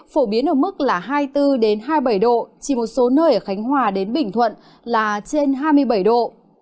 phổ biến ở mức là hai mươi bốn hai mươi bảy độ chỉ một số nơi ở khánh hòa đến bình thuận là trên hai mươi bảy độ